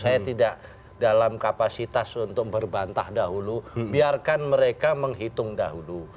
saya tidak dalam kapasitas untuk berbantah dahulu biarkan mereka menghitung dahulu